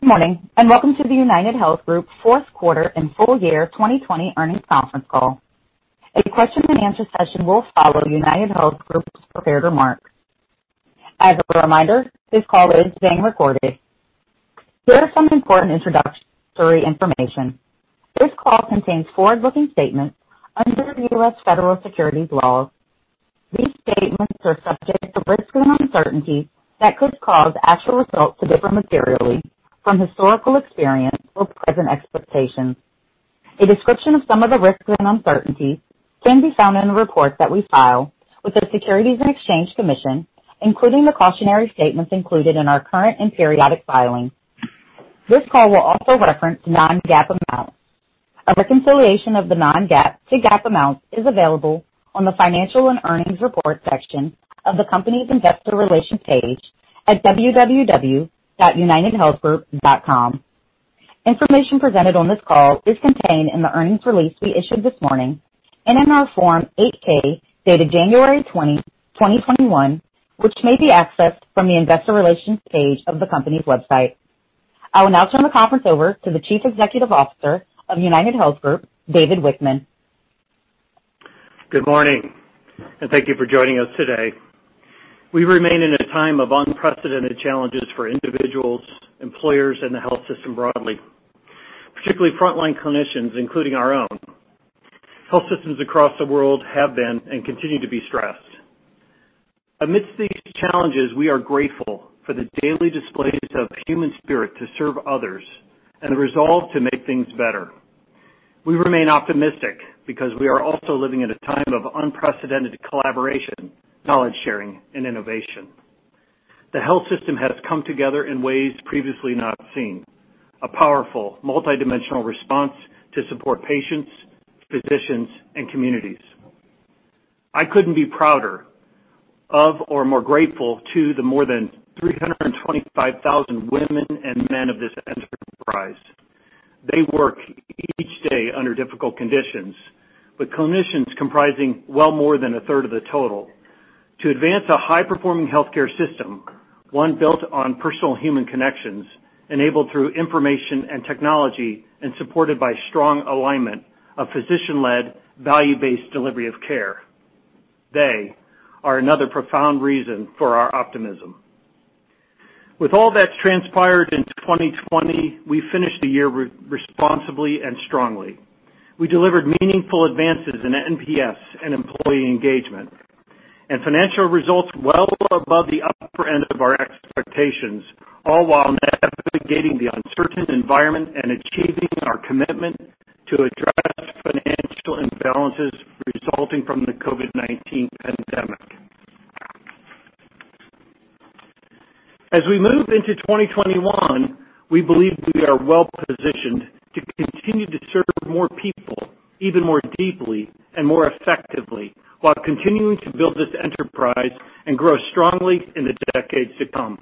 Good morning. Welcome to the UnitedHealth Group Fourth Quarter and Full Year 2020 Earnings Conference Call. A question and answer session will follow UnitedHealth Group's prepared remarks. As a reminder, this call is being recorded. Here are some important introductory information. This call contains forward-looking statements under the U.S. Federal securities laws. These statements are subject to risks and uncertainties that could cause actual results to differ materially from historical experience or present expectations. A description of some of the risks and uncertainties can be found in the reports that we file with the Securities and Exchange Commission, including the cautionary statements included in our current and periodic filings. This call will also reference non-GAAP amounts. A reconciliation of the non-GAAP to GAAP amounts is available on the financial and earnings report section of the company's investor relations page at www.unitedhealthgroup.com. Information presented on this call is contained in the earnings release we issued this morning and in our Form 8-K, dated January 20, 2021, which may be accessed from the investor relations page of the company's website. I will now turn the conference over to the Chief Executive Officer of UnitedHealth Group, David Wichmann. Good morning. Thank you for joining us today. We remain in a time of unprecedented challenges for individuals, employers, and the health system broadly, particularly frontline clinicians, including our own. Health systems across the world have been and continue to be stressed. Amidst these challenges, we are grateful for the daily displays of human spirit to serve others and the resolve to make things better. We remain optimistic because we are also living at a time of unprecedented collaboration, knowledge-sharing, and innovation. The health system has come together in ways previously not seen, a powerful multidimensional response to support patients, physicians, and communities. I couldn't be prouder of or more grateful to the more than 325,000 women and men of this enterprise. They work each day under difficult conditions, with clinicians comprising well more than a third of the total, to advance a high-performing healthcare system, one built on personal human connections, enabled through information and technology, and supported by strong alignment of physician-led, value-based delivery of care. They are another profound reason for our optimism. With all that's transpired in 2020, we finished the year responsibly and strongly. We delivered meaningful advances in NPS and employee engagement and financial results well above the upper end of our expectations, all while navigating the uncertain environment and achieving our commitment to address financial imbalances resulting from the COVID-19 pandemic. As we move into 2021, we believe we are well-positioned to continue to serve more people even more deeply and more effectively while continuing to build this enterprise and grow strongly in the decades to come.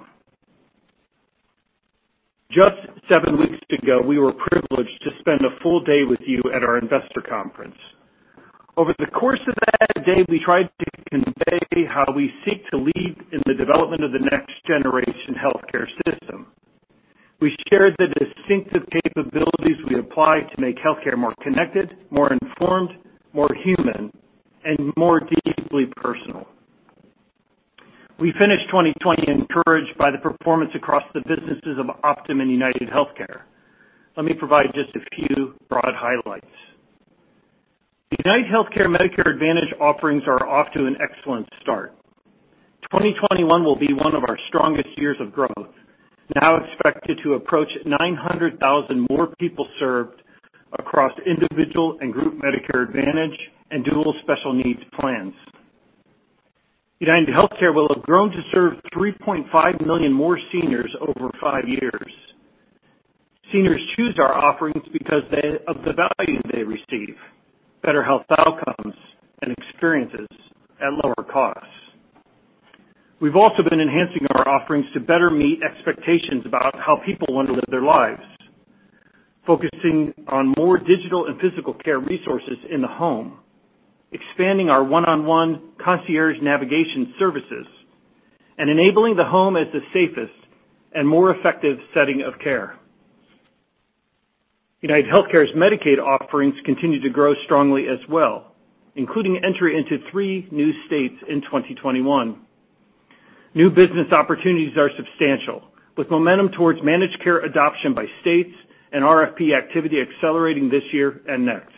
Just seven weeks ago, we were privileged to spend a full day with you at our investor conference. Over the course of that day, we tried to convey how we seek to lead in the development of the next-generation healthcare system. We shared the distinctive capabilities we apply to make healthcare more connected, more informed, more human, and more deeply personal. We finished 2020 encouraged by the performance across the businesses of Optum and UnitedHealthcare. Let me provide just a few broad highlights. UnitedHealthcare Medicare Advantage offerings are off to an excellent start. 2021 will be one of our strongest years of growth, now expected to approach 900,000 more people served across individual and group Medicare Advantage and Dual Special Needs Plan. UnitedHealthcare will have grown to serve 3.5 million more seniors over five years. Seniors choose our offerings because of the value they receive, better health outcomes and experiences at lower costs. We've also been enhancing our offerings to better meet expectations about how people want to live their lives, focusing on more digital and physical care resources in the home, expanding our one-on-one concierge navigation services, and enabling the home as the safest and more effective setting of care. UnitedHealthcare's Medicaid offerings continue to grow strongly as well, including entry into three new states in 2021. New business opportunities are substantial, with momentum towards managed care adoption by states and RFP activity accelerating this year and next.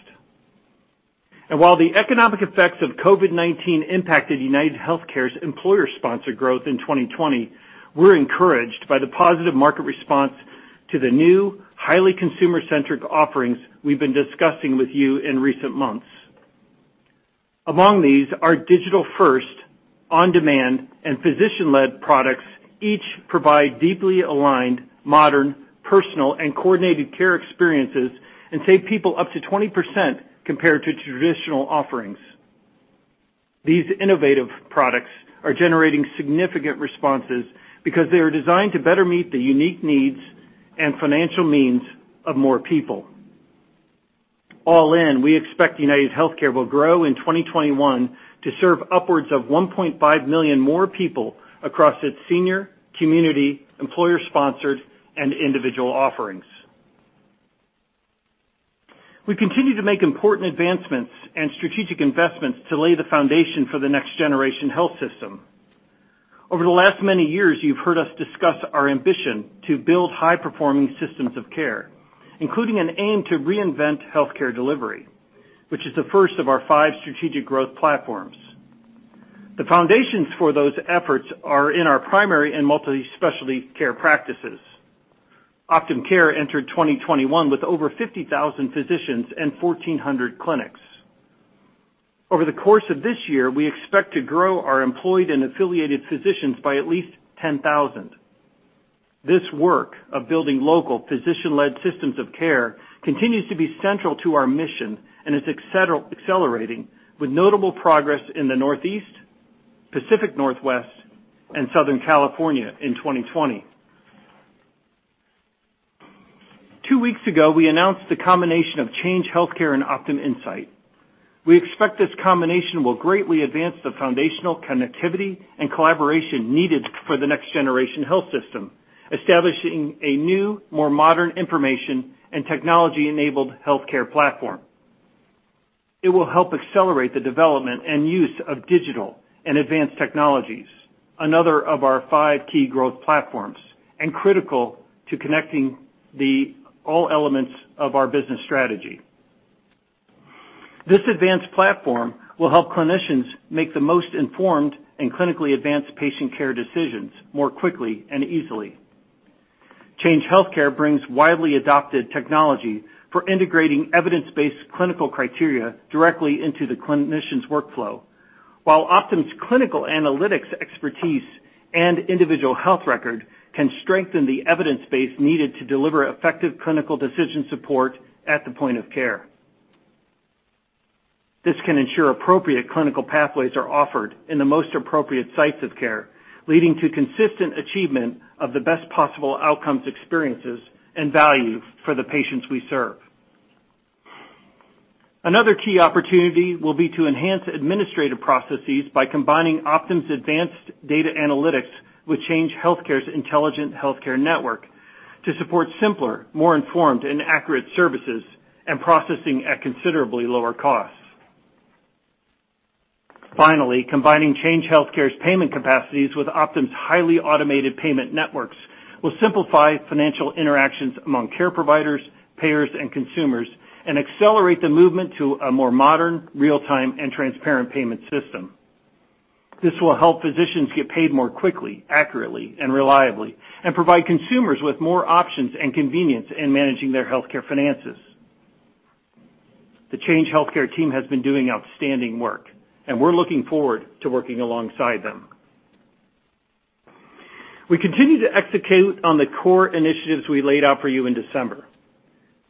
While the economic effects of COVID-19 impacted UnitedHealthcare's employer-sponsored growth in 2020, we're encouraged by the positive market response to the new, highly consumer-centric offerings we've been discussing with you in recent months. Among these are digital-first, on-demand, and physician-led products, each provide deeply aligned, modern, personal, and coordinated care experiences and save people up to 20% compared to traditional offerings. These innovative products are generating significant responses because they are designed to better meet the unique needs and financial means of more people. All in, we expect UnitedHealthcare will grow in 2021 to serve upwards of 1.5 million more people across its senior, community, employer-sponsored, and individual offerings. We continue to make important advancements and strategic investments to lay the foundation for the Next Generation Health System. Over the last many years, you've heard us discuss our ambition to build high-performing systems of care, including an aim to reinvent healthcare delivery, which is the first of our five strategic growth platforms. The foundations for those efforts are in our primary and multi-specialty care practices. Optum Care entered 2021 with over 50,000 physicians and 1,400 clinics. Over the course of this year, we expect to grow our employed and affiliated physicians by at least 10,000. This work of building local physician-led systems of care continues to be central to our mission and is accelerating with notable progress in the Northeast, Pacific Northwest, and Southern California in 2020. Two weeks ago, we announced the combination of Change Healthcare and OptumInsight. We expect this combination will greatly advance the foundational connectivity and collaboration needed for the next generation health system, establishing a new, more modern information and technology-enabled healthcare platform. It will help accelerate the development and use of digital and advanced technologies, another of our five key growth platforms, and critical to connecting the all elements of our business strategy. This advanced platform will help clinicians make the most informed and clinically advanced patient care decisions more quickly and easily. Change Healthcare brings widely adopted technology for integrating evidence-based clinical criteria directly into the clinician's workflow. While Optum's clinical analytics expertise and individual health record can strengthen the evidence base needed to deliver effective clinical decision support at the point of care. This can ensure appropriate clinical pathways are offered in the most appropriate sites of care, leading to consistent achievement of the best possible outcomes, experiences, and value for the patients we serve. Another key opportunity will be to enhance administrative processes by combining Optum's advanced data analytics with Change Healthcare's Intelligent Healthcare Network to support simpler, more informed, and accurate services and processing at considerably lower costs. Finally, combining Change Healthcare's payment capacities with Optum's highly automated payment networks will simplify financial interactions among care providers, payers, and consumers, and accelerate the movement to a more modern, real-time, and transparent payment system. This will help physicians get paid more quickly, accurately, and reliably, and provide consumers with more options and convenience in managing their healthcare finances. The Change Healthcare team has been doing outstanding work, and we're looking forward to working alongside them. We continue to execute on the core initiatives we laid out for you in December.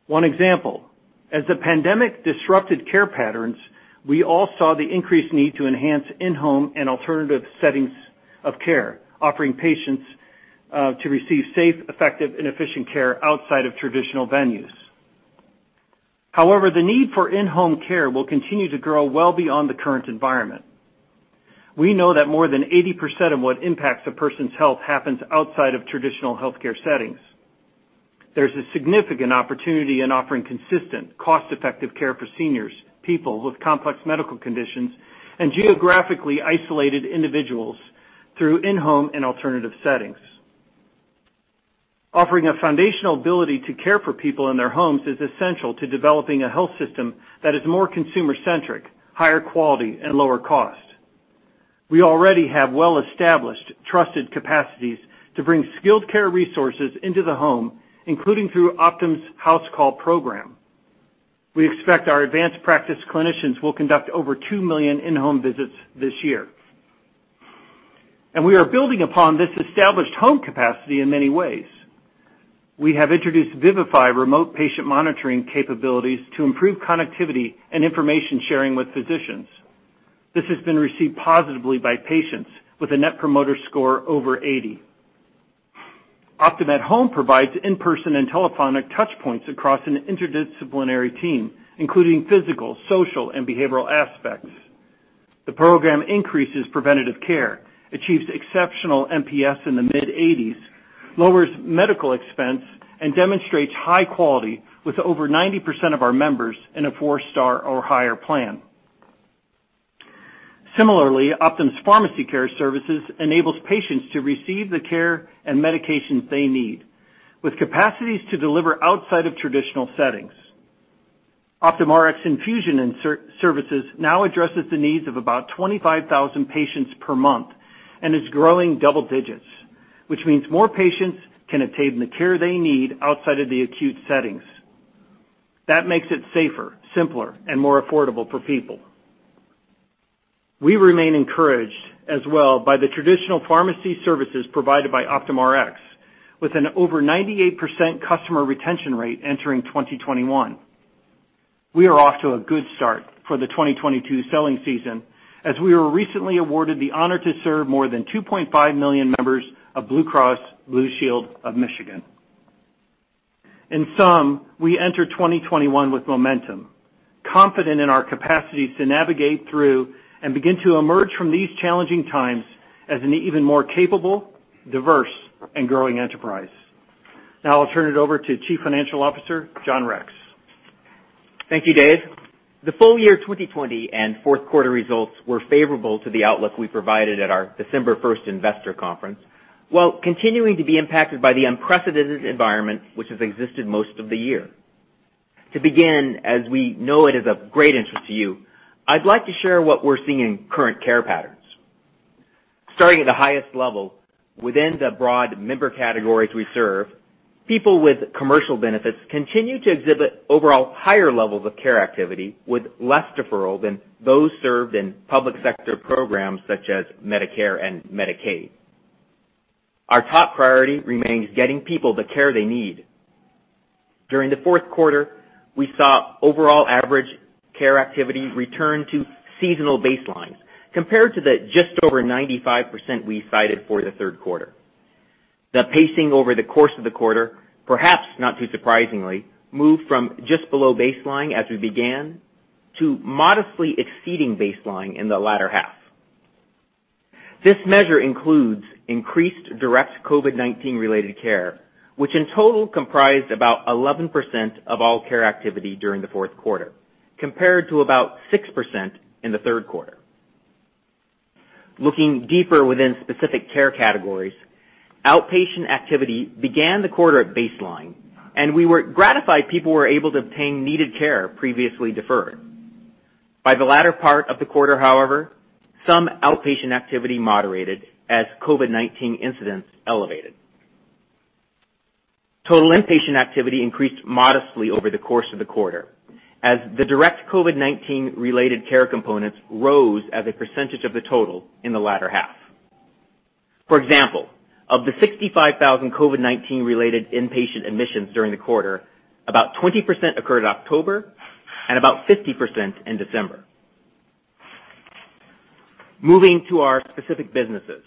One example, as the pandemic disrupted care patterns, we all saw the increased need to enhance in-home and alternative settings of care, offering patients to receive safe, effective, and efficient care outside of traditional venues. However, the need for in-home care will continue to grow well beyond the current environment. We know that more than 80% of what impacts a person's health happens outside of traditional healthcare settings. There's a significant opportunity in offering consistent, cost-effective care for seniors, people with complex medical conditions, and geographically isolated individuals through in-home and alternative settings. Offering a foundational ability to care for people in their homes is essential to developing a health system that is more consumer-centric, higher quality, and lower cost. We already have well-established, trusted capacities to bring skilled care resources into the home, including through Optum's HouseCalls Program. We expect our advanced practice clinicians will conduct over 2 million in-home visits this year. We are building upon this established home capacity in many ways. We have introduced Vivify remote patient monitoring capabilities to improve connectivity and information sharing with physicians. This has been received positively by patients with a net promoter score over 80. Optum at Home provides in-person and telephonic touchpoints across an interdisciplinary team, including physical, social, and behavioral aspects. The program increases preventative care, achieves exceptional NPS in the mid-80s, lowers medical expense, and demonstrates high quality with over 90% of our members in a four-star or higher plan. Similarly, Optum's pharmacy care services enables patients to receive the care and medications they need with capacities to deliver outside of traditional settings. Optum Rx infusion services now addresses the needs of about 25,000 patients per month and is growing double digits, which means more patients can obtain the care they need outside of the acute settings. That makes it safer, simpler, and more affordable for people. We remain encouraged as well by the traditional pharmacy services provided by Optum Rx with an over 98% customer retention rate entering 2021. We are off to a good start for the 2022 selling season. We were recently awarded the honor to serve more than 2.5 million members of Blue Cross Blue Shield of Michigan. In sum, we enter 2021 with momentum, confident in our capacity to navigate through and begin to emerge from these challenging times as an even more capable, diverse, and growing enterprise. Now I'll turn it over to Chief Financial Officer, John Rex. Thank you, Dave. The full year 2020 and fourth quarter results were favorable to the outlook we provided at our December 1st investor conference. While continuing to be impacted by the unprecedented environment which has existed most of the year. To begin, as we know it is of great interest to you, I'd like to share what we're seeing in current care patterns. Starting at the highest level, within the broad member categories we serve, people with commercial benefits continue to exhibit overall higher levels of care activity with less deferral than those served in public sector programs such as Medicare and Medicaid. Our top priority remains getting people the care they need. During the fourth quarter, we saw overall average care activity return to seasonal baseline compared to the just over 95% we cited for the third quarter. The pacing over the course of the quarter, perhaps not too surprisingly, moved from just below baseline as we began, to modestly exceeding baseline in the latter half. This measure includes increased direct COVID-19 related care, which in total comprised about 11% of all care activity during the fourth quarter, compared to about 6% in the third quarter. Looking deeper within specific care categories, outpatient activity began the quarter at baseline, and we were gratified people were able to obtain needed care previously deferred. By the latter part of the quarter, however, some outpatient activity moderated as COVID-19 incidents elevated. Total inpatient activity increased modestly over the course of the quarter as the direct COVID-19 related care components rose as a percentage of the total in the latter half. For example, of the 65,000 COVID-19 related inpatient admissions during the quarter, about 20% occurred October and about 50% in December. Moving to our specific businesses.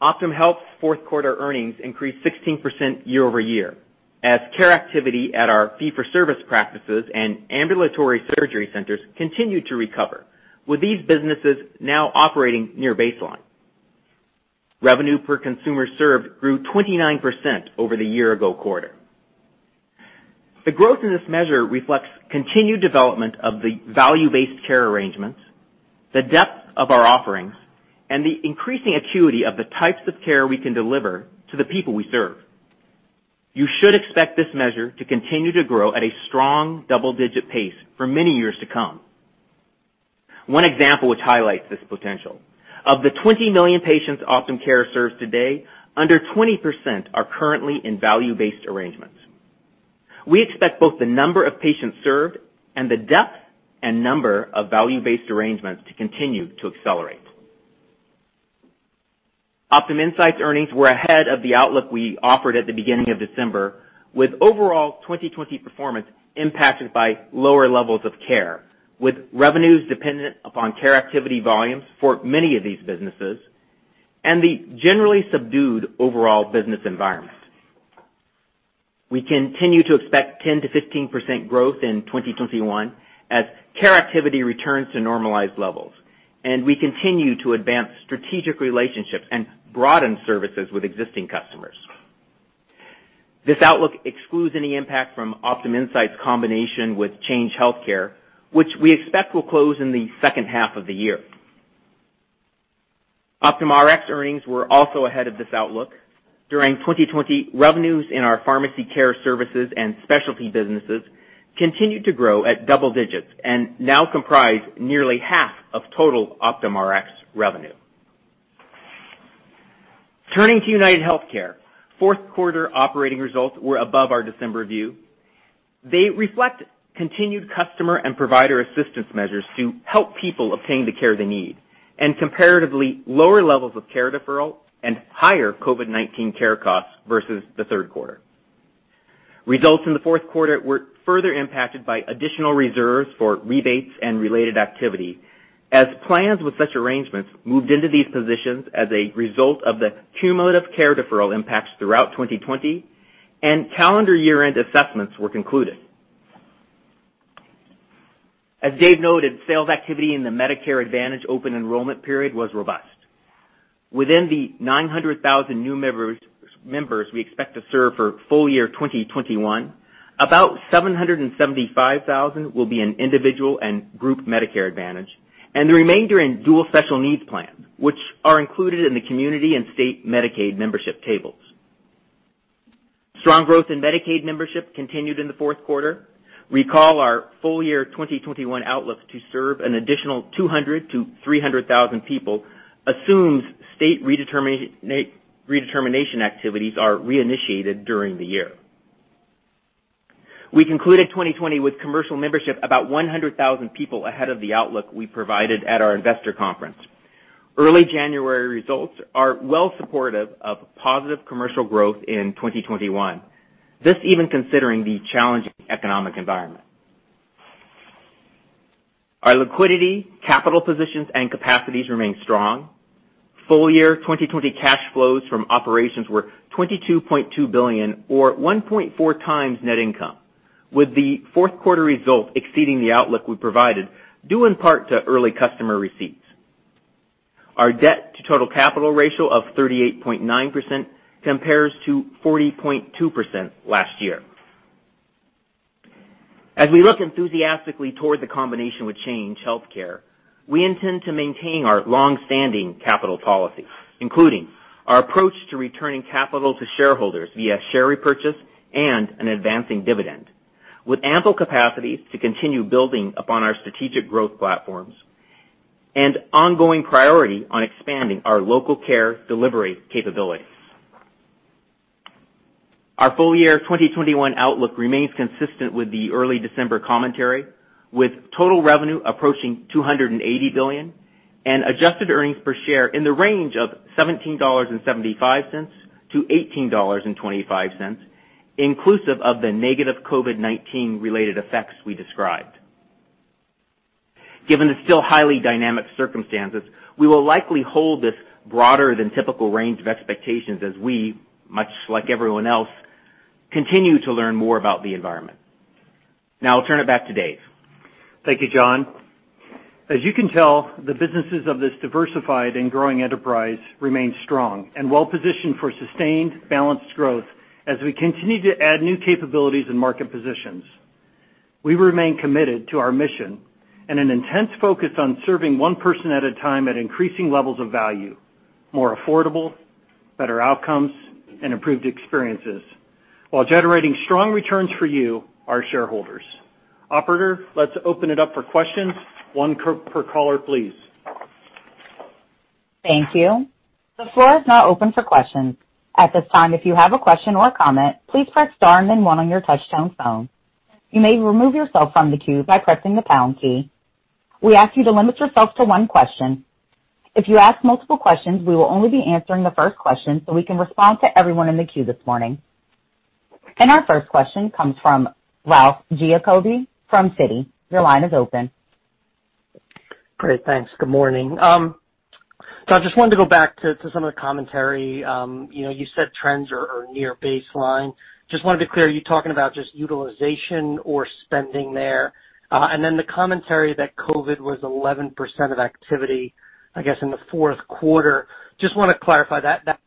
Optum Health fourth quarter earnings increased 16% year-over-year, as care activity at our fee for service practices and ambulatory surgery centers continued to recover, with these businesses now operating near baseline. Revenue per consumer served grew 29% over the year ago quarter. The growth in this measure reflects continued development of the value-based care arrangements, the depth of our offerings, and the increasing acuity of the types of care we can deliver to the people we serve. You should expect this measure to continue to grow at a strong double-digit pace for many years to come. One example which highlights this potential, of the 20 million patients Optum Care serves today, under 20% are currently in value-based arrangements. We expect both the number of patients served and the depth and number of value-based arrangements to continue to accelerate. OptumInsight earnings were ahead of the outlook we offered at the beginning of December, with overall 2020 performance impacted by lower levels of care, with revenues dependent upon care activity volumes for many of these businesses, and the generally subdued overall business environment. We continue to expect 10%-15% growth in 2021 as care activity returns to normalized levels, and we continue to advance strategic relationships and broaden services with existing customers. This outlook excludes any impact from OptumInsight combination with Change Healthcare, which we expect will close in the second half of the year. Optum Rx earnings were also ahead of this outlook. During 2020, revenues in our pharmacy care services and specialty businesses continued to grow at double digits and now comprise nearly half of total Optum Rx revenue. Turning to UnitedHealthcare, fourth quarter operating results were above our December view. They reflect continued customer and provider assistance measures to help people obtain the care they need and comparatively lower levels of care deferral and higher COVID-19 care costs versus the third quarter. Results in the fourth quarter were further impacted by additional reserves for rebates and related activity, as plans with such arrangements moved into these positions as a result of the cumulative care deferral impacts throughout 2020 and calendar year-end assessments were concluded. As Dave noted, sales activity in the Medicare Advantage open enrollment period was robust. Within the 900,000 new members we expect to serve for full year 2021, about 775,000 will be in individual and group Medicare Advantage, and the remainder in Dual Special Needs Plan, which are included in the Community and State Medicaid membership tables. Strong growth in Medicaid membership continued in the fourth quarter. Recall our full year 2021 outlook to serve an additional 200,000-300,000 people assumes state redetermination activities are reinitiated during the year. We concluded 2020 with commercial membership about 100,000 people ahead of the outlook we provided at our investor conference. Early January results are well supportive of positive commercial growth in 2021, even considering the challenging economic environment. Our liquidity, capital positions, and capacities remain strong. Full year 2020 cash flows from operations were $22.2 billion or 1.4x net income, with the fourth quarter result exceeding the outlook we provided due in part to early customer receipts. Our debt to total capital ratio of 38.9% compares to 40.2% last year. As we look enthusiastically toward the combination with Change Healthcare, we intend to maintain our longstanding capital policy, including our approach to returning capital to shareholders via share repurchase and an advancing dividend, with ample capacity to continue building upon our strategic growth platforms and ongoing priority on expanding our local care delivery capabilities. Our full year 2021 outlook remains consistent with the early December commentary, with total revenue approaching $280 billion and adjusted earnings per share in the range of $17.75-$18.25, inclusive of the negative COVID-19 related effects we described. Given the still highly dynamic circumstances, we will likely hold this broader than typical range of expectations as we, much like everyone else, continue to learn more about the environment. Now I'll turn it back to Dave. Thank you, John. As you can tell, the businesses of this diversified and growing enterprise remain strong and well-positioned for sustained, balanced growth as we continue to add new capabilities and market positions. We remain committed to our mission and an intense focus on serving one person at a time at increasing levels of value, more affordable, better outcomes, and improved experiences while generating strong returns for you, our shareholders. Operator, let's open it up for questions. One per caller, please. Thank you. The floor is now open for questions. At this time, if you have a question or a comment, please press star and then one on your touchtone phone. You may remove yourself from the queue by pressing the pound key. We ask you to limit yourself to one question. If you ask multiple questions, we will only be answering the first question so we can respond to everyone in the queue this morning. Our first question comes from Ralph Giacobbe from Citi. Your line is open. Great. Thanks. Good morning. I just wanted to go back to some of the commentary. You said trends are near baseline. Just wanted to be clear, are you talking about just utilization or spending there? The commentary that COVID was 11% of activity, I guess, in the fourth quarter. Just want to clarify that.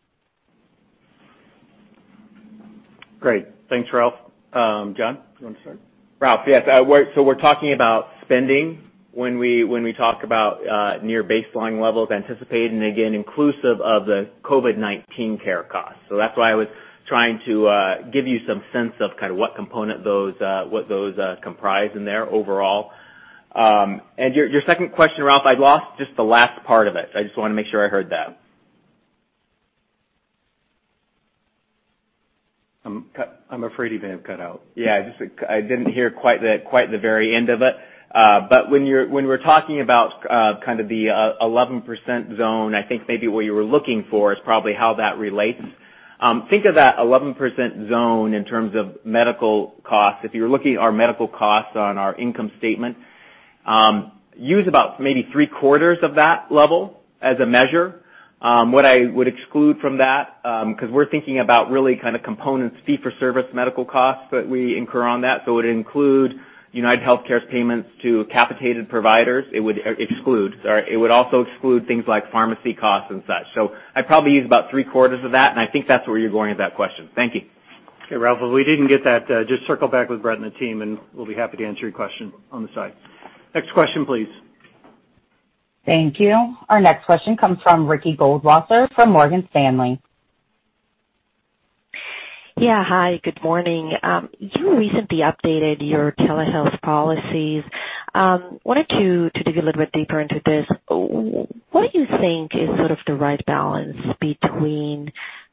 Great. Thanks, Ralph. John, do you want to start? Ralph, yes. We're talking about spending when we talk about near baseline levels anticipated, and again, inclusive of the COVID-19 care costs. That's why I was trying to give you some sense of what component those comprise in there overall. Your second question, Ralph, I lost just the last part of it. I just want to make sure I heard that. I'm afraid he may have cut out. Yeah. I didn't hear quite the very end of it. When we're talking about the 11% zone, I think maybe what you were looking for is probably how that relates. Think of that 11% zone in terms of medical costs. If you're looking at our medical costs on our income statement, use about maybe three-quarters of that level as a measure. What I would exclude from that, because we're thinking about really kind of components fee for service medical costs that we incur on that. It would include UnitedHealthcare's payments to capitated providers. It would also exclude things like pharmacy costs and such. I'd probably use about three-quarters of that, and I think that's where you're going with that question. Thank you. Okay, Ralph. If we didn't get that, just circle back with Brett and the team, and we'll be happy to answer your question on the side. Next question, please. Thank you. Our next question comes from Ricky Goldwasser from Morgan Stanley. Yeah. Hi, good morning. You recently updated your telehealth policies. Wanted to dig a little bit deeper into this. What do you think is sort of the right balance between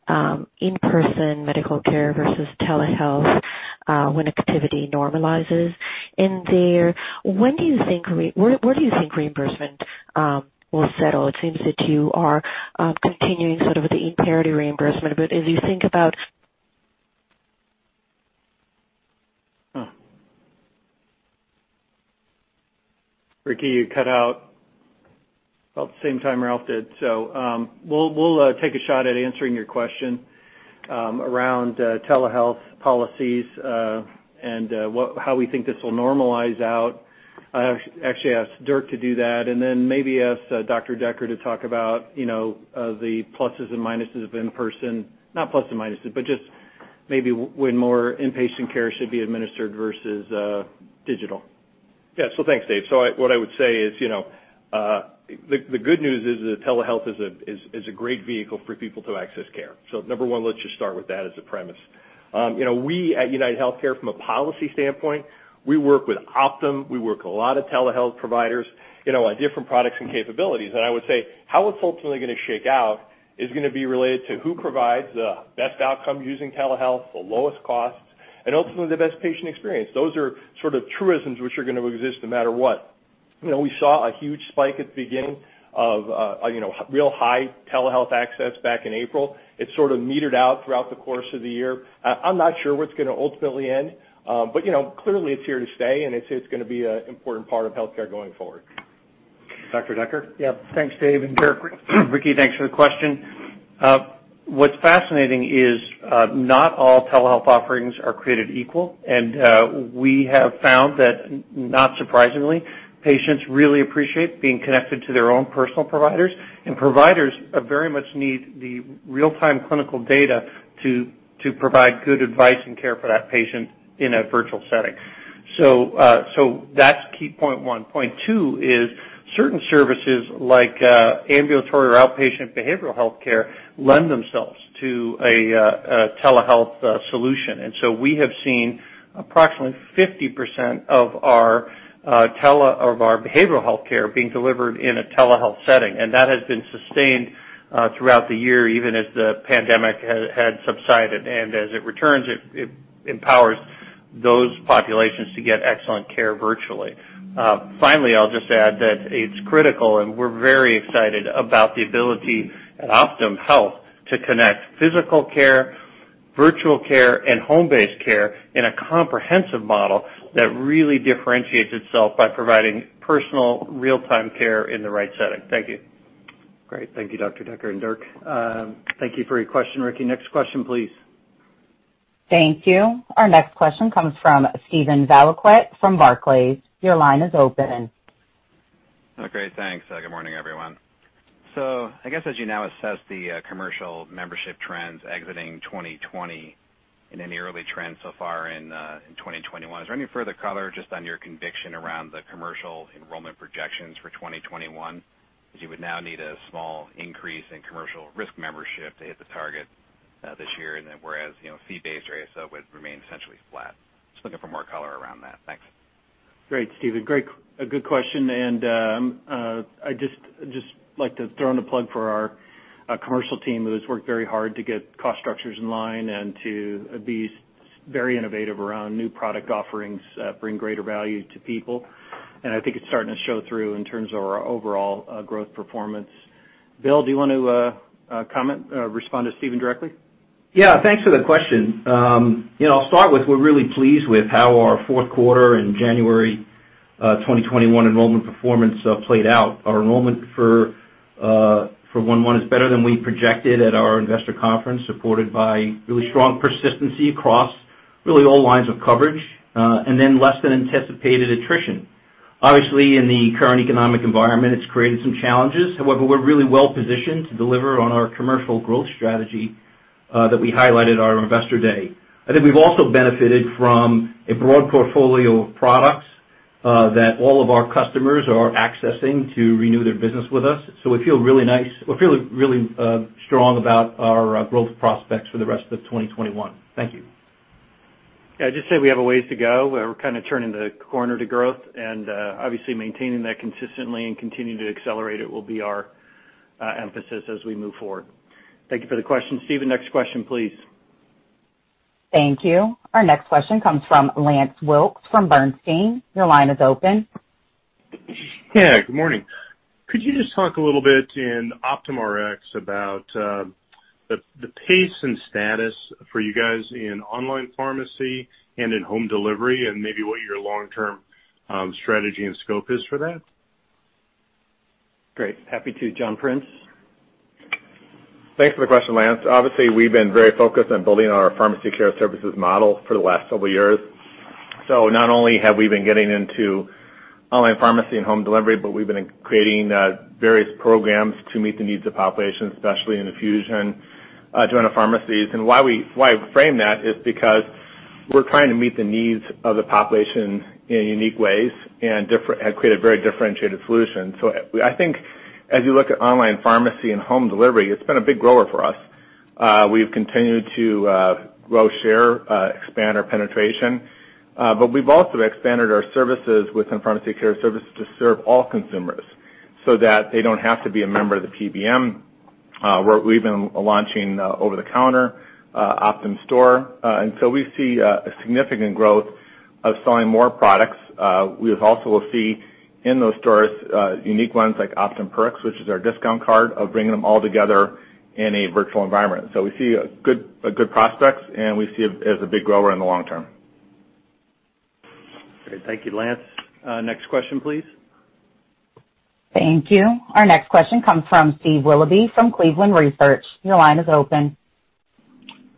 in-person medical care versus telehealth when activity normalizes? There, where do you think reimbursement will settle? It seems that you are continuing sort of with the in parity reimbursement. Ricky, you cut out about the same time Ralph did. We'll take a shot at answering your question around telehealth policies and how we think this will normalize out. I'll actually ask Dirk to do that, and then maybe ask Dr. Decker to talk about the pluses and minuses of in-person, not pluses and minuses, but just maybe when more inpatient care should be administered versus digital. Yeah. Thanks, Dave. What I would say is, the good news is that telehealth is a great vehicle for people to access care. Number one, let's just start with that as a premise. We at UnitedHealthcare, from a policy standpoint, we work with Optum, we work with a lot of telehealth providers on different products and capabilities. I would say how it's ultimately going to shake out is going to be related to who provides the best outcome using telehealth, the lowest cost. Ultimately, the best patient experience. Those are sort of truisms which are going to exist no matter what. We saw a huge spike at the beginning of real high telehealth access back in April. It sort of metered out throughout the course of the year. I'm not sure where it's going to ultimately end, but clearly it's here to stay, and it's going to be an important part of healthcare going forward. Dr. Decker? Yep. Thanks, Dave, and Dirk, thanks for the question. What's fascinating is not all telehealth offerings are created equal, and we have found that, not surprisingly, patients really appreciate being connected to their own personal providers. Providers very much need the real-time clinical data to provide good advice and care for that patient in a virtual setting. That's key point one. Point two is certain services like ambulatory or outpatient behavioral healthcare lend themselves to a telehealth solution. We have seen approximately 50% of our behavioral healthcare being delivered in a telehealth setting, and that has been sustained throughout the year, even as the pandemic had subsided. As it returns, it empowers those populations to get excellent care virtually. Finally, I'll just add that it's critical, and we're very excited about the ability at OptumHealth to connect physical care, virtual care, and home-based care in a comprehensive model that really differentiates itself by providing personal real-time care in the right setting. Thank you. Great. Thank you, Dr. Decker. Dirk. Thank you for your question, Ricky. Next question, please. Thank you. Our next question comes from Steven Valiquette from Barclays. Your line is open. Okay, thanks. Good morning, everyone. I guess as you now assess the commercial membership trends exiting 2020 and any early trends so far in 2021, is there any further color just on your conviction around the commercial enrollment projections for 2021, as you would now need a small increase in commercial risk membership to hit the target this year, and then whereas fee-based or ASO would remain essentially flat? Just looking for more color around that. Thanks. Great, Steven. A good question, and I'd just like to throw in a plug for our commercial team, who has worked very hard to get cost structures in line and to be very innovative around new product offerings that bring greater value to people. I think it's starting to show through in terms of our overall growth performance. Bill, do you want to comment, respond to Steven directly? Yeah. Thanks for the question. I'll start with, we're really pleased with how our fourth quarter and January 2021 enrollment performance played out. Our enrollment for 1/1 is better than we projected at our investor conference, supported by really strong persistency across really all lines of coverage, and then less than anticipated attrition. Obviously, in the current economic environment, it's created some challenges. However, we're really well positioned to deliver on our commercial growth strategy that we highlighted at our investor day. I think we've also benefited from a broad portfolio of products that all of our customers are accessing to renew their business with us. We feel really strong about our growth prospects for the rest of 2021. Thank you. Yeah, I'd just say we have a ways to go, where we're kind of turning the corner to growth and obviously maintaining that consistently and continuing to accelerate it will be our emphasis as we move forward. Thank you for the question, Steven. Next question, please. Thank you. Our next question comes from Lance Wilkes from Bernstein. Your line is open. Yeah, good morning. Could you just talk a little bit in Optum Rx about the pace and status for you guys in online pharmacy and in home delivery, and maybe what your long-term strategy and scope is for that? Great. Happy to. John Prince? Thanks for the question, Lance. Obviously, we've been very focused on building our pharmacy care services model for the last several years. Not only have we been getting into online pharmacy and home delivery, but we've been creating various programs to meet the needs of the population, especially in infusion, joint pharmacies. Why I frame that is because we're trying to meet the needs of the population in unique ways and create a very differentiated solution. I think as you look at online pharmacy and home delivery, it's been a big grower for us. We've continued to grow share, expand our penetration, but we've also expanded our services within pharmacy care services to serve all consumers so that they don't have to be a member of the PBM, where we've been launching over-the-counter Optum Store. We see a significant growth of selling more products. We also will see in those stores, unique ones like Optum Perks, which is our discount card, of bringing them all together in a virtual environment. We see good prospects, and we see it as a big grower in the long term. Great. Thank you, Lance. Next question, please. Thank you. Our next question comes from Steve Willoughby from Cleveland Research. Your line is open.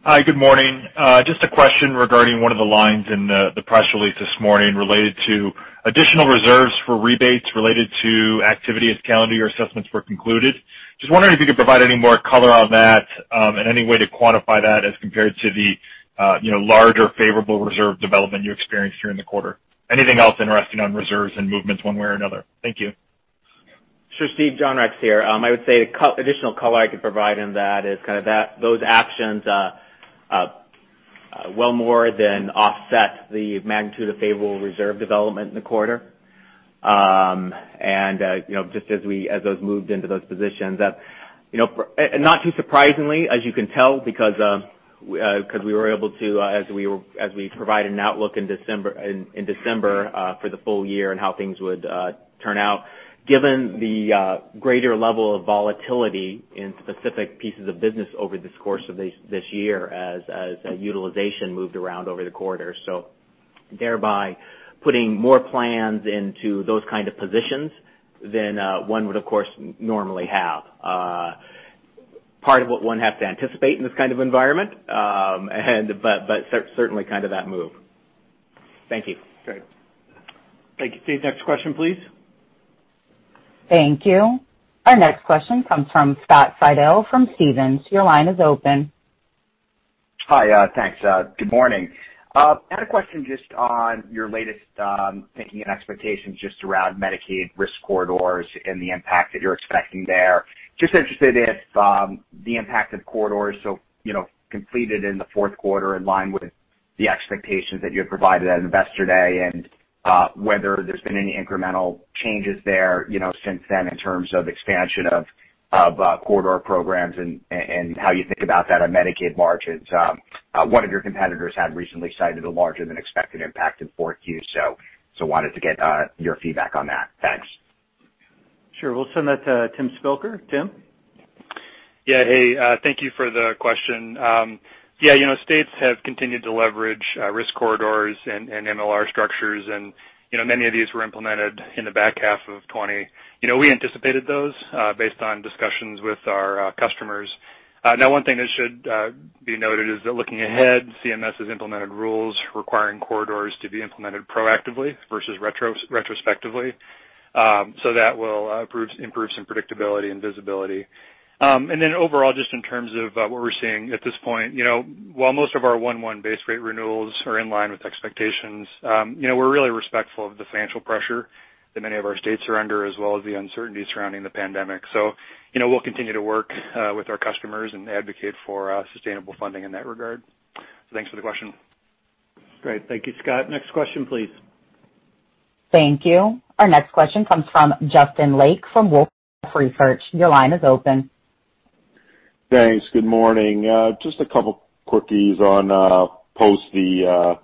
Hi, good morning. Just a question regarding one of the lines in the press release this morning related to additional reserves for rebates related to activity as calendar year assessments were concluded. Just wondering if you could provide any more color on that, and any way to quantify that as compared to the larger favorable reserve development you experienced during the quarter. Anything else interesting on reserves and movements one way or another? Thank you. Sure, Steve. John Rex here. I would say additional color I could provide in that is kind of those actions well more than offset the magnitude of favorable reserve development in the quarter. Just as those moved into those positions. Not too surprisingly, as you can tell, because we were able to, as we provide an outlook in December for the full year and how things would turn out, given the greater level of volatility in specific pieces of business over this course of this year as utilization moved around over the quarter. Thereby putting more plans into those kind of positions than one would, of course, normally have. Part of what one has to anticipate in this kind of environment, but certainly kind of that move. Thank you. Great. Thank you. Please, next question, please. Thank you. Our next question comes from Scott Fidel from Stephens. Your line is open. Hi. Thanks. Good morning. I had a question just on your latest thinking and expectations just around Medicaid risk corridors and the impact that you're expecting there. Just interested if the impact of corridors completed in the fourth quarter, in line with the expectations that you had provided at Investor Day, and whether there's been any incremental changes there since then in terms of expansion of corridor programs and how you think about that on Medicaid margins. One of your competitors had recently cited a larger than expected impact in Q4. Wanted to get your feedback on that. Thanks. Sure. We'll send that to Tim Spilker. Tim? Hey, thank you for the question. States have continued to leverage risk corridors and MLR structures, and many of these were implemented in the back half of 2020. We anticipated those based on discussions with our customers. One thing that should be noted is that looking ahead, CMS has implemented rules requiring corridors to be implemented proactively versus retrospectively. That will improve some predictability and visibility. Overall, just in terms of what we're seeing at this point, while most of our 1-1 base rate renewals are in line with expectations, we're really respectful of the financial pressure that many of our states are under, as well as the uncertainty surrounding the pandemic. We'll continue to work with our customers and advocate for sustainable funding in that regard. Thanks for the question. Great. Thank you, Scott. Next question, please. Thank you. Our next question comes from Justin Lake from Wolfe Research. Your line is open. Thanks. Good morning. Just a couple quickies on post the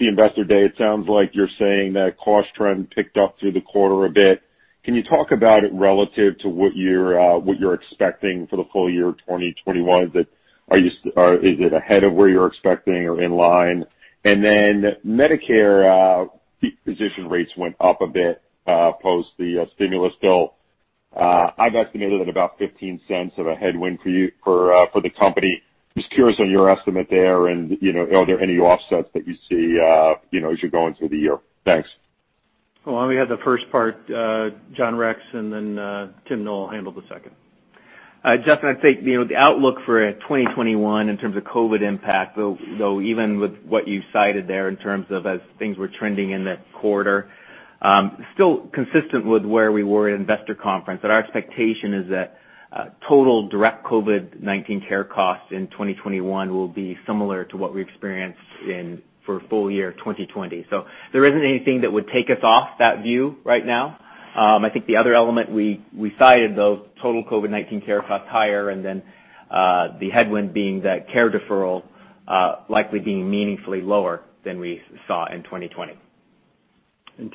Investor Day. It sounds like you're saying that cost trend picked up through the quarter a bit. Can you talk about it relative to what you're expecting for the full year 2021? Is it ahead of where you're expecting or in line? Medicare physician rates went up a bit post the stimulus bill. I've estimated at about $0.15 of a headwind for the company. Just curious on your estimate there, and are there any offsets that you see as you're going through the year? Thanks. Well, let me have the first part, John Rex, and then Tim Noel handle the second. Justin, I'd say, the outlook for 2021 in terms of COVID-19 impact, though even with what you cited there in terms of as things were trending in the quarter, still consistent with where we were at Investor Conference, that our expectation is that total direct COVID-19 care costs in 2021 will be similar to what we experienced for full year 2020. There isn't anything that would take us off that view right now. I think the other element we cited, though, total COVID-19 care costs higher, the headwind being that care deferral likely being meaningfully lower than we saw in 2020.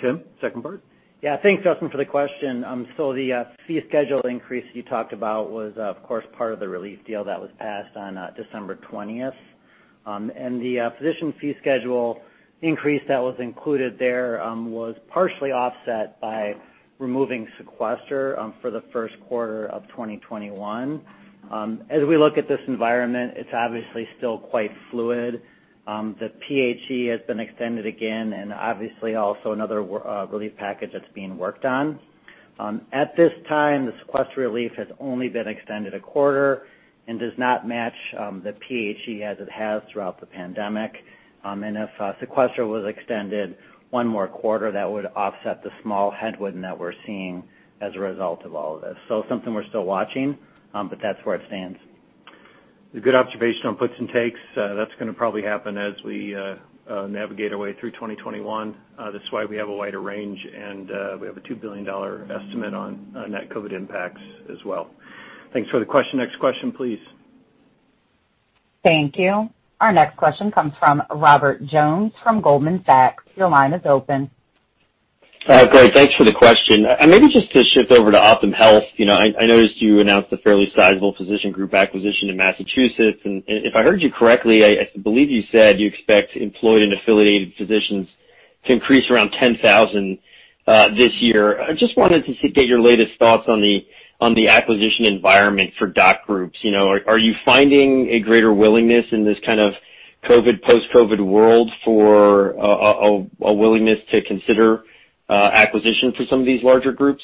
Tim, second part. Yeah. Thanks, Justin, for the question. The fee schedule increase you talked about was, of course, part of the relief deal that was passed on December 20th. The physician fee schedule increase that was included there was partially offset by removing sequester for the first quarter of 2021. As we look at this environment, it's obviously still quite fluid. The PHE has been extended again, and obviously also another relief package that's being worked on. At this time, the sequester relief has only been extended 1/4 and does not match the PHE as it has throughout the pandemic. If sequester was extended one more quarter, that would offset the small headwind that we're seeing as a result of all of this. Something we're still watching, but that's where it stands. A good observation on puts and takes. That's going to probably happen as we navigate our way through 2021. That's why we have a wider range, and we have a $2 billion estimate on net COVID impacts as well. Thanks for the question. Next question, please. Thank you. Our next question comes from Robert Jones from Goldman Sachs. Your line is open. Great. Thanks for the question. Maybe just to shift over to Optum Health, I noticed you announced a fairly sizable physician group acquisition in Massachusetts, and if I heard you correctly, I believe you said you expect employed and affiliated physicians to increase around 10,000 this year. I just wanted to get your latest thoughts on the acquisition environment for doc groups. Are you finding a greater willingness in this kind of COVID, post-COVID world for a willingness to consider acquisition for some of these larger groups?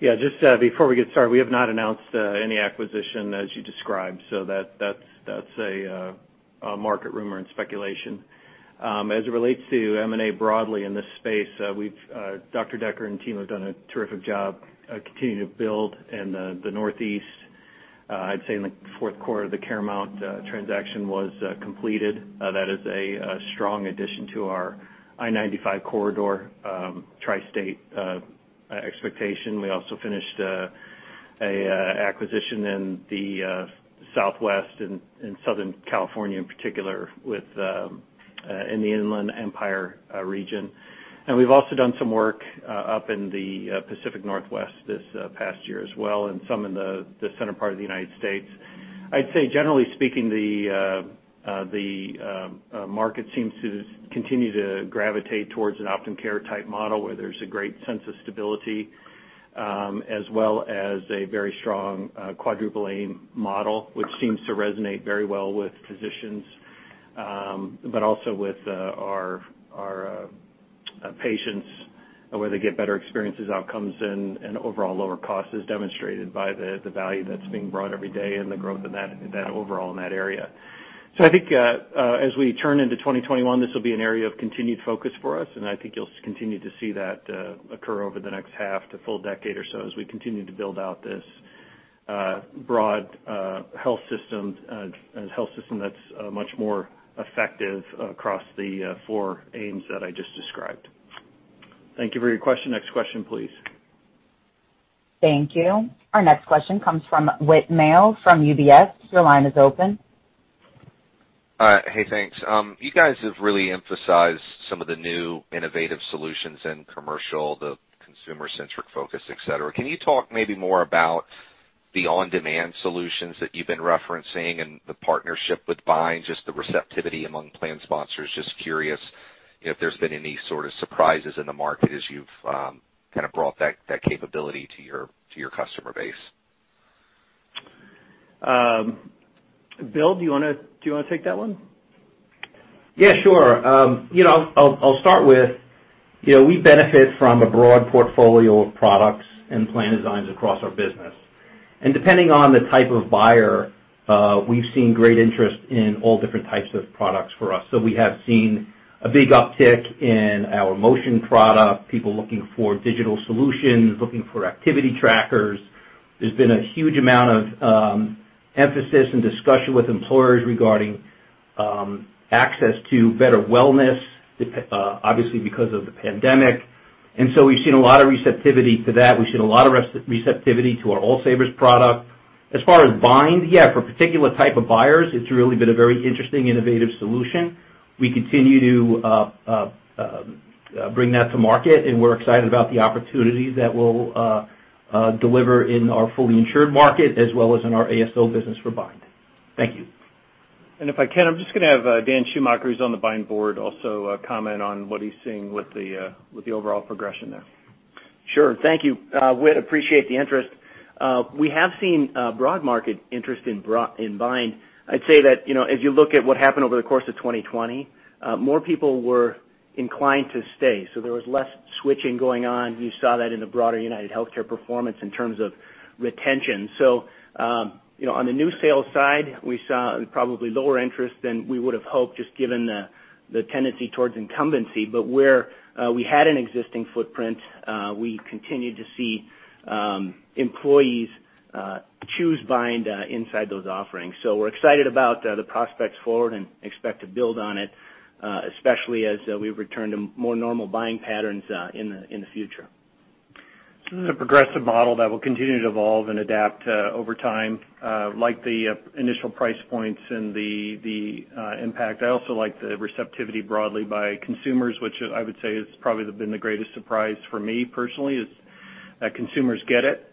Yeah, just before we get started, we have not announced any acquisition as you described. That's a market rumor and speculation. As it relates to M&A broadly in this space, Dr. Decker and team have done a terrific job continuing to build in the Northeast, I'd say in the fourth quarter, the CareMount transaction was completed. That is a strong addition to our I-95 corridor, tri-state expectation. We also finished a acquisition in the Southwest, in Southern California in particular, in the Inland Empire region. We've also done some work up in the Pacific Northwest this past year as well, and some in the center part of the United States. I'd say generally speaking, the market seems to continue to gravitate towards an Optum Care type model, where there's a great sense of stability, as well as a very strong quadruple aim model, which seems to resonate very well with physicians, but also with our patients, where they get better experiences, outcomes, and overall lower costs, as demonstrated by the value that's being brought every day and the growth overall in that area. I think as we turn into 2021, this will be an area of continued focus for us, and I think you'll continue to see that occur over the next half to a full decade or so, as we continue to build out this Broad Health System that's much more effective across the four aims that I just described. Thank you for your question. Next question please. Thank you. Our next question comes from Whit Mayo from UBS. Your line is open. Hey, thanks. You guys have really emphasized some of the new innovative solutions in commercial, the consumer-centric focus, et cetera. Can you talk maybe more about the on-demand solutions that you've been referencing and the partnership with Bind, just the receptivity among plan sponsors? Just curious if there's been any sort of surprises in the market as you've kind of brought that capability to your customer base. Bill, do you want to take that one? Yeah, sure. I'll start with, we benefit from a broad portfolio of products and plan designs across our business. Depending on the type of buyer, we've seen great interest in all different types of products for us. We have seen a big uptick in our Motion product, people looking for digital solutions, looking for activity trackers. There's been a huge amount of emphasis and discussion with employers regarding access to better wellness, obviously because of the pandemic. We've seen a lot of receptivity to that. We've seen a lot of receptivity to our All Savers product. As far as Bind, yeah, for particular type of buyers, it's really been a very interesting, innovative solution. We continue to bring that to market, and we're excited about the opportunities that will deliver in our fully insured market, as well as in our ASO business for Bind. Thank you. If I can, I'm just going to have Dan Schumacher, who's on the Bind board, also comment on what he's seeing with the overall progression there. Sure. Thank you. Whit, appreciate the interest. We have seen broad market interest in Bind. I'd say that, as you look at what happened over the course of 2020, more people were inclined to stay, so there was less switching going on. You saw that in the broader UnitedHealthcare performance in terms of retention. On the new sales side, we saw probably lower interest than we would've hoped, just given the tendency towards incumbency. Where we had an existing footprint, we continued to see employees choose Bind inside those offerings. We're excited about the prospects forward and expect to build on it, especially as we return to more normal buying patterns in the future. This is a progressive model that will continue to evolve and adapt over time. Like the initial price points and the impact, I also like the receptivity broadly by consumers, which I would say has probably been the greatest surprise for me personally, is that consumers get it,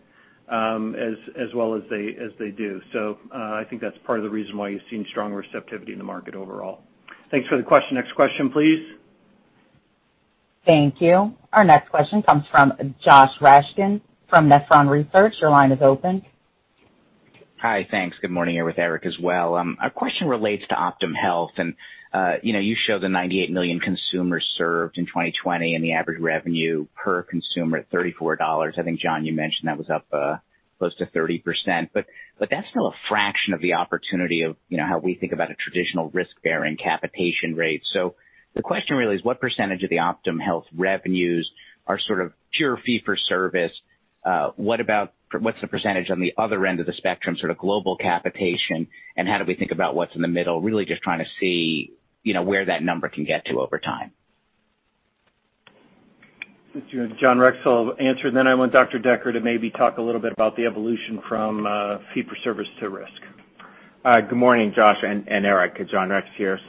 as well as they do. I think that's part of the reason why you've seen strong receptivity in the market overall. Thanks for the question. Next question, please. Thank you. Our next question comes from Josh Raskin from Nephron Research. Your line is open. Hi, thanks. Good morning. Here with Eric as well. Our question relates to Optum Health. You showed the 98 million consumers served in 2020, and the average revenue per consumer at $34. I think, John, you mentioned that was up close to 30%. That's still a fraction of the opportunity of how we think about a traditional risk-bearing capitation rate. The question really is what percentage of the Optum Health revenues are sort of pure fee for service? What's the percentage on the other end of the spectrum, sort of global capitation, and how do we think about what's in the middle? Really just trying to see where that number can get to over time. John Rex will answer, then I want Dr. Decker to maybe talk a little bit about the evolution from fee for service to risk. Good morning, Josh and Eric. John Rex here.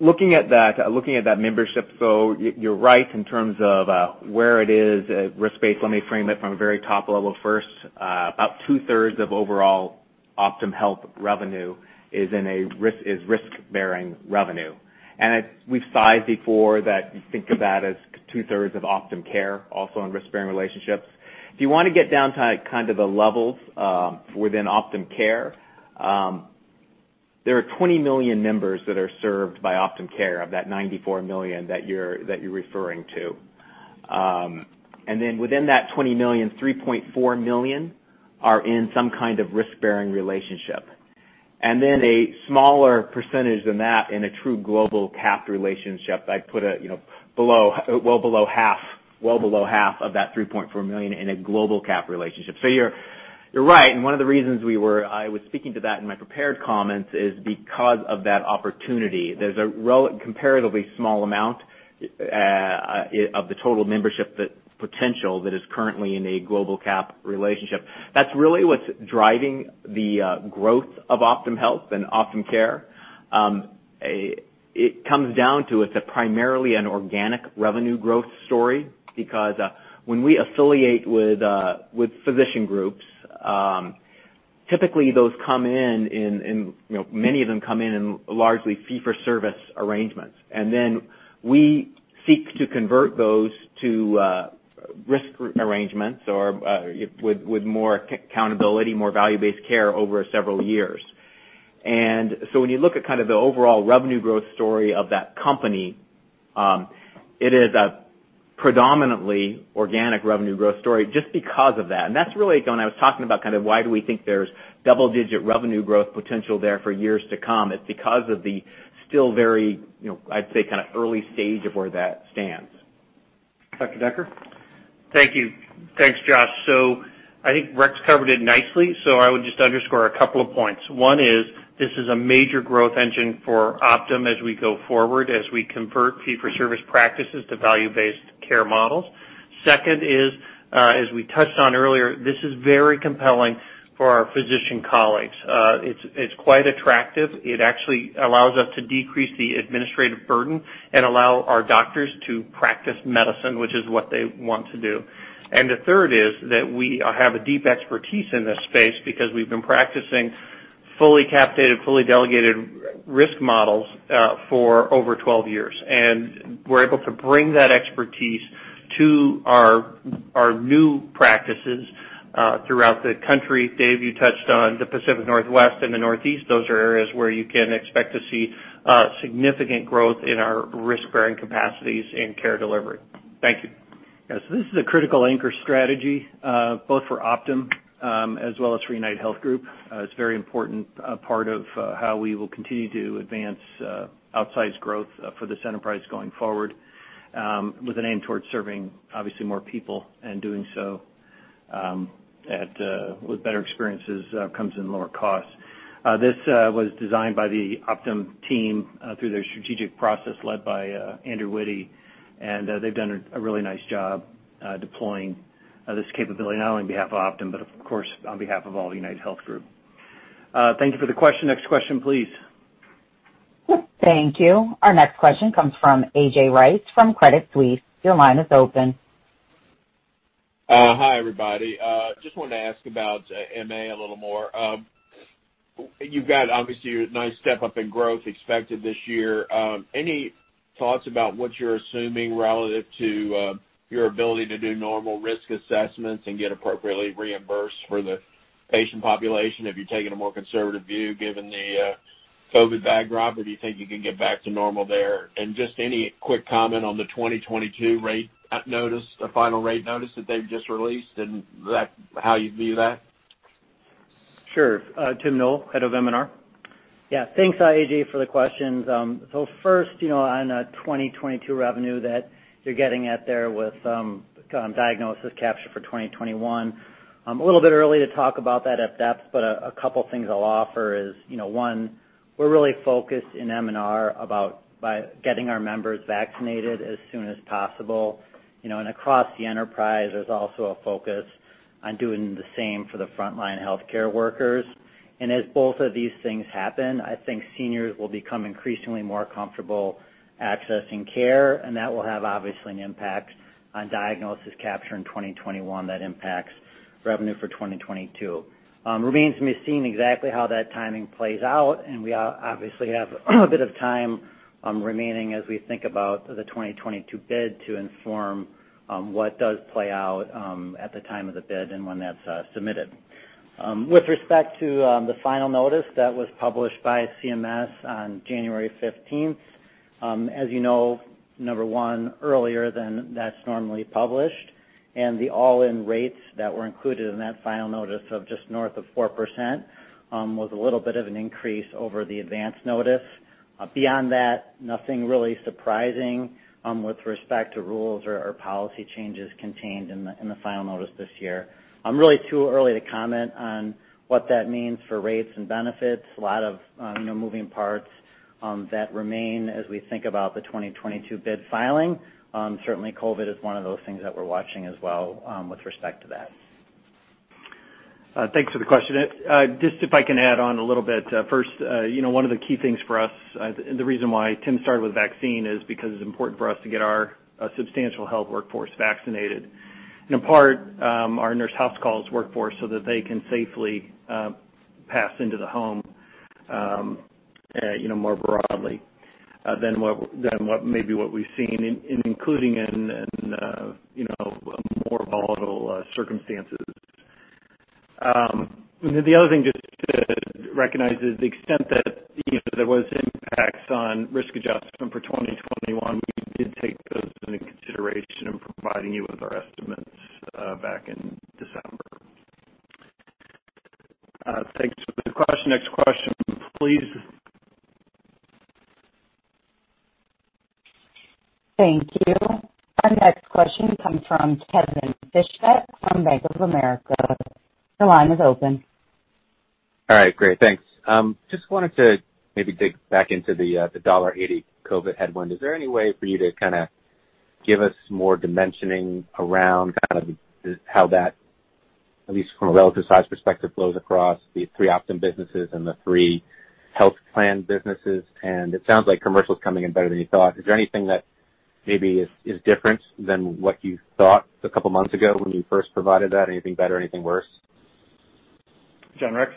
Looking at that membership, you're right in terms of where it is risk-based. Let me frame it from a very top level first. About 2/3 of overall Optum Health revenue is risk-bearing revenue. We've sized before that you think of that as 2/3 of Optum Care also in risk-bearing relationships. If you want to get down to kind of the levels within Optum Care, there are 20 million members that are served by Optum Care of that 94 million that you're referring to. Within that 20 million, 3.4 million are in some kind of risk-bearing relationship. A smaller percentage than that in a true global cap relationship. I'd put it well below half of that 3.4 million in a global cap relationship. You're right. One of the reasons I was speaking to that in my prepared comments is because of that opportunity. There's a comparatively small amount of the total membership potential that is currently in a global cap relationship. That's really what's driving the growth of Optum Health and Optum Care. It comes down to it's primarily an organic revenue growth story, because when we affiliate with physician groups, typically many of them come in largely fee-for-service arrangements, and then we seek to convert those to risk arrangements or with more accountability, more value-based care over several years. When you look at kind of the overall revenue growth story of that company, it is a predominantly organic revenue growth story just because of that. That's really when I was talking about kind of why do we think there's double-digit revenue growth potential there for years to come. It's because of the still very, I'd say, kind of early stage of where that stands. Dr. Decker? Thank you. Thanks, Josh. I think Rex covered it nicely, I would just underscore a couple of points. One is this is a major growth engine for Optum as we go forward, as we convert fee-for-service practices to value-based care models. Second is, as we touched on earlier, this is very compelling for our physician colleagues. It's quite attractive. It actually allows us to decrease the administrative burden and allow our doctors to practice medicine, which is what they want to do. The third is that we have a deep expertise in this space because we've been practicing fully capitated, fully delegated risk models, for over 12 years. We're able to bring that expertise to our new practices throughout the country. Dave, you touched on the Pacific Northwest and the Northeast. Those are areas where you can expect to see significant growth in our risk-bearing capacities in care delivery. Thank you. Yes. This is a critical anchor strategy, both for Optum, as well as for UnitedHealth Group. It's a very important part of how we will continue to advance outsized growth for this enterprise going forward, with an aim towards serving obviously more people and doing so with better experiences comes in lower costs. This was designed by the Optum team through their strategic process led by Andrew Witty, and they've done a really nice job deploying this capability, not only on behalf of Optum, but of course, on behalf of all UnitedHealth Group. Thank you for the question. Next question, please. Thank you. Our next question comes from A.J. Rice from Credit Suisse. Your line is open. Hi, everybody. Wanted to ask about MA a little more. You've got obviously a nice step-up in growth expected this year. Any thoughts about what you're assuming relative to your ability to do normal risk assessments and get appropriately reimbursed for the patient population? Have you taken a more conservative view given the COVID backdrop, or do you think you can get back to normal there? Just any quick comment on the 2022 rate notice, the final rate notice that they've just released and how you view that? Sure. Tim Noel, Head of M&R. Yeah. Thanks, A.J., for the questions. First, on 2022 revenue that you're getting at there with diagnosis capture for 2021. A little bit early to talk about that at depth, but a couple things I'll offer is, one, we're really focused in M&R about getting our members vaccinated as soon as possible. Across the enterprise, there's also a focus on doing the same for the frontline healthcare workers. As both of these things happen, I think seniors will become increasingly more comfortable accessing care, and that will have obviously an impact on diagnosis capture in 2021 that impacts revenue for 2022. Remains to be seen exactly how that timing plays out, and we obviously have a bit of time remaining as we think about the 2022 bid to inform what does play out at the time of the bid and when that's submitted. With respect to the final notice that was published by CMS on January 15th, as you know, number one, earlier than that's normally published, and the all-in rates that were included in that final notice of just north of 4% was a little bit of an increase over the advance notice. Beyond that, nothing really surprising with respect to rules or policy changes contained in the final notice this year. Really too early to comment on what that means for rates and benefits. A lot of moving parts that remain as we think about the 2022 bid filing. Certainly COVID is one of those things that we're watching as well, with respect to that. Thanks for the question. Just if I can add on a little bit. First, one of the key things for us, and the reason why Tim started with vaccine is because it's important for us to get our substantial health workforce vaccinated. In part, our Nurse HouseCalls workforce so that they can safely pass into the home more broadly, than maybe what we've seen including in more volatile circumstances. The other thing just to recognize is the extent that there was impacts on risk adjustment for 2021. We did take those into consideration in providing you with our estimates back in December. Thanks for the question. Next question, please. Thank you. Our next question comes from Kevin Fischbeck from Bank of America. Your line is open. All right, great. Thanks. Just wanted to maybe dig back into the $1.80 COVID headwind. Is there any way for you to kind of give us more dimensioning around kind of how that, at least from a relative size perspective, flows across the three Optum businesses and the three health plan businesses? It sounds like commercial's coming in better than you thought. Is there anything that maybe is different than what you thought a couple months ago when you first provided that? Anything better, anything worse? John Rex?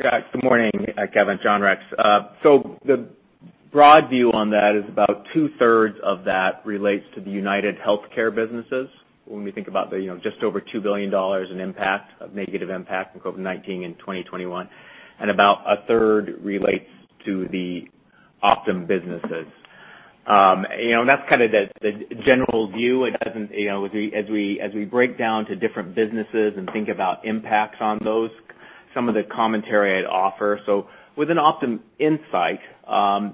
Yeah. Good morning, Kevin. John Rex. The broad view on that is about 2/3 of that relates to the UnitedHealthcare businesses. When we think about just over $2 billion in negative impact from COVID-19 in 2021, and about a third relates to the Optum businesses. That's kind of the general view. As we break down to different businesses and think about impacts on those, some of the commentary I'd offer. Within OptumInsight,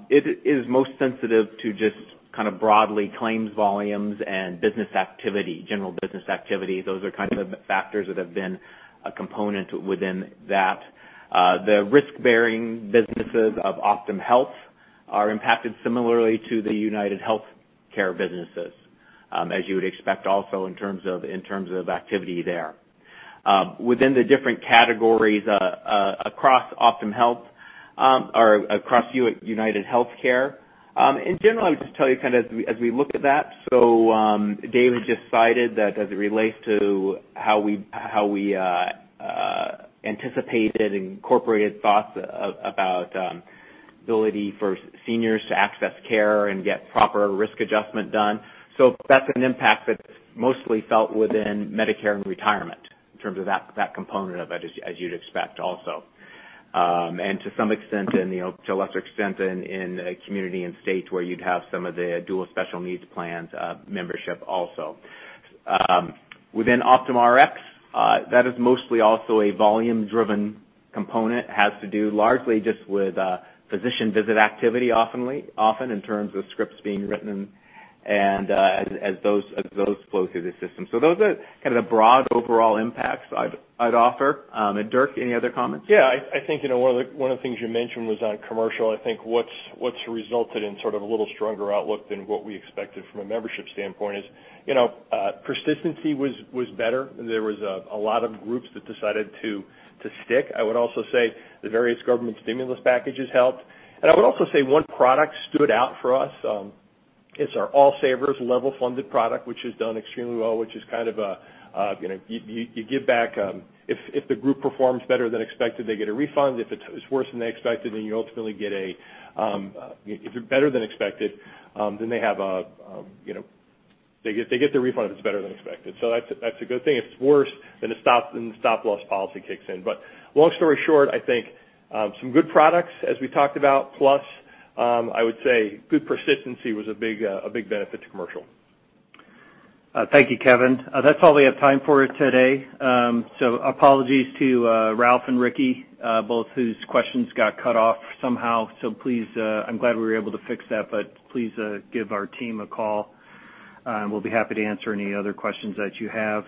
it is most sensitive to just kind of broadly claims volumes and business activity, general business activity. Those are kinds of factors that have been a component within that. The risk-bearing businesses of Optum Health are impacted similarly to the UnitedHealthcare businesses, as you would expect also in terms of activity there. Within the different categories across Optum Health or across UnitedHealthcare, in general, I would just tell you kind of as we look at that, Dave had just cited that as it relates to how we anticipated and incorporated thoughts about ability for seniors to access care and get proper risk adjustment done. That's an impact that's mostly felt within Medicare & Retirement in terms of that component of it, as you'd expect also. To a lesser extent in community and state where you'd have some of the Dual Special Needs Plans membership also. Within Optum Rx, that is mostly also a volume-driven component, has to do largely just with physician visit activity often in terms of scripts being written and as those flow through the system. Those are kind of the broad overall impacts I'd offer. Dirk, any other comments? Yeah, I think one of the things you mentioned was on commercial. I think what's resulted in sort of a little stronger outlook than what we expected from a membership standpoint is persistency was better. There was a lot of groups that decided to stick. I would also say the various government stimulus packages helped. I would also say one product stood out for us. It's our All Savers level-funded product, which has done extremely well, which is kind of, you give back, if the group performs better than expected, they get a refund. If it's worse than they expected, then you ultimately get a. If they're better than expected, then they get the refund if it's better than expected. That's a good thing. If it's worse, then the stop-loss policy kicks in. Long story short, I think some good products as we talked about, plus, I would say good persistency was a big benefit to commercial. Thank you, Kevin. That's all we have time for today. Apologies to Ralph and Ricky, both whose questions got cut off somehow. Please, I'm glad we were able to fix that, but please give our team a call, and we'll be happy to answer any other questions that you have.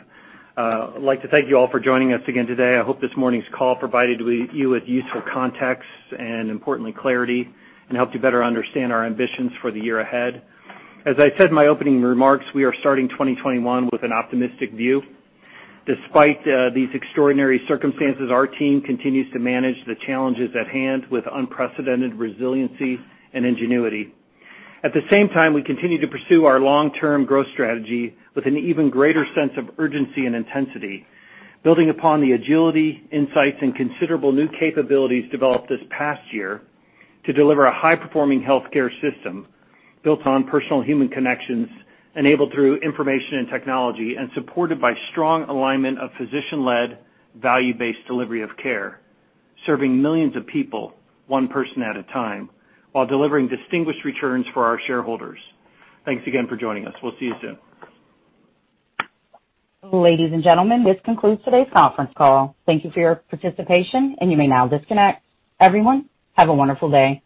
I'd like to thank you all for joining us again today. I hope this morning's call provided you with useful context and importantly clarity and helped you better understand our ambitions for the year ahead. As I said in my opening remarks, we are starting 2021 with an optimistic view. Despite these extraordinary circumstances, our team continues to manage the challenges at hand with unprecedented resiliency and ingenuity. At the same time, we continue to pursue our long-term growth strategy with an even greater sense of urgency and intensity, building upon the agility, insights, and considerable new capabilities developed this past year to deliver a high-performing healthcare system built on personal human connections, enabled through information and technology, and supported by strong alignment of physician-led, value-based delivery of care, serving millions of people, one person at a time, while delivering distinguished returns for our shareholders. Thanks again for joining us. We'll see you soon. Ladies and gentlemen, this concludes today's conference call. Thank you for your participation, and you may now disconnect. Everyone, have a wonderful day.